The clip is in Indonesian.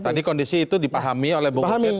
tadi kondisi itu dipahami oleh bung abed